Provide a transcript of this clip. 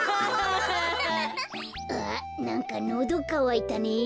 あなんかのどかわいたね。